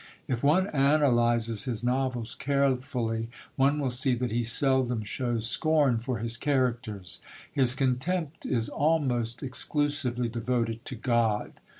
If one analyses his novels carefully, one will see that he seldom shows scorn for his characters; his contempt is almost exclusively devoted to God.